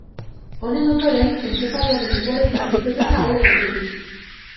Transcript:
Honen ondoren entzefaloaren enborretik irteten da alde batetik.